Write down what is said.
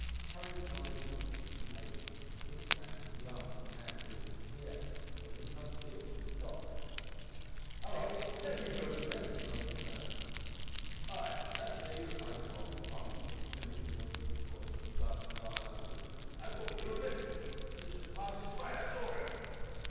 Hurrying blindly on for a few paces, he almost ran into the arms of a man whom he could hear, though he could not see him, and stopped. "Hallo! is that you, Bill Smith?" demanded the man. "Ay, that's me," replied Tom, promptly, mimicking Bill Smith's voice and gasping violently. "I thought you were Brixton. He's just passed this way. I saw him."